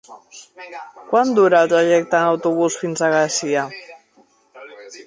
Quant dura el trajecte en autobús fins a Garcia?